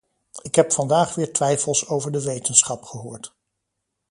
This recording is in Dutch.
Ik heb vandaag weer twijfels over de wetenschap gehoord.